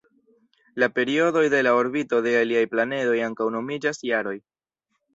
La periodoj de la orbito de aliaj planedoj ankaŭ nomiĝas jaroj.